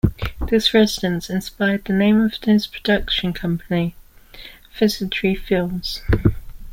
This residence inspired the name of his production company, Pheasantry Films.